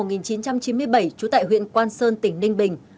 trú tại huyện quan sơn tỉnh ninh bình